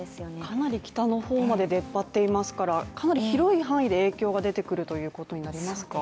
かなり北の方まで出っ張っていますからかなり広い範囲で影響が出てくるということになりますか？